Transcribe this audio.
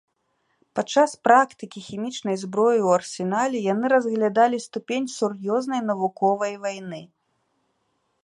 Падчас практыкі хімічнай зброі ў арсенале яны аглядалі ступень сур'ёзнасці навуковай вайны.